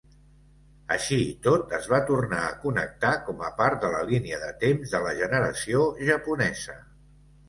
Així i tot, es va tornar a connectar com a part de la línia de temps de la Generació Japonesa.